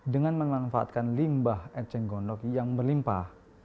dengan memanfaatkan limbah eceng gondok yang berlimpah